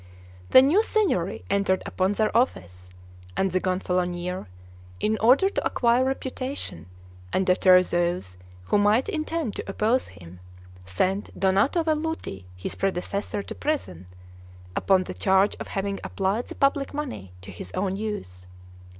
The new Signory entered upon their office, and the Gonfalonier, in order to acquire reputation, and deter those who might intend to oppose him, sent Donato Velluti, his predecessor, to prison, upon the charge of having applied the public money to his own use.